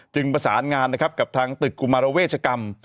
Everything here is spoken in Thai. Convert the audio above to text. จึงประสานงานกับทางตึกกุมารเวชกรรม